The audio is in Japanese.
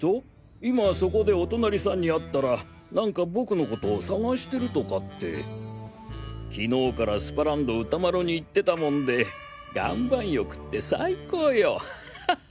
今そこでお隣さんに会ったら何か僕の事を探してるとかってきのうからスパランド歌麿に行ってたもんで岩盤浴って最高よアハハハ。